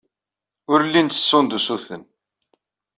Ur llin ttessun-d usuten.